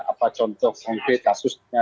apa contoh sengket kasusnya